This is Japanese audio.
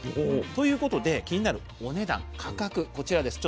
ということで気になるお値段価格こちらです。